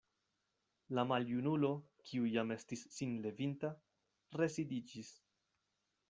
La maljunulo, kiu jam estis sin levinta, residiĝis.